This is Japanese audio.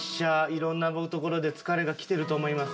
いろんなところで疲れがきてると思います。